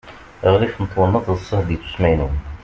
aɣlif n twennaḍt d ṣṣehd ittusmaynun